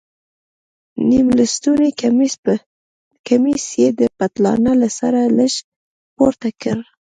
نيم لستوڼى کميس يې د پتلانه له سره لږ پورته کړ.